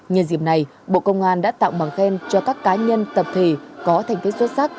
nhân dịp này bộ công an đã tặng bằng khen cho các cá nhân tập thể có thành tích xuất sắc